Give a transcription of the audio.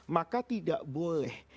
maka tidak boleh